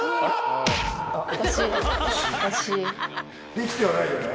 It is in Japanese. できてはないよね。